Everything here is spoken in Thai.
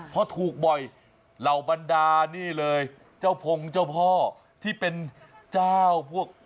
พอถูกบ่อยเหล่าบรรดานี่เลยเจ้าพงเจ้าพ่อที่เป็นเจ้าพวก